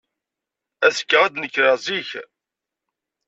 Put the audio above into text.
Azekka, ad d-nekreɣ zik.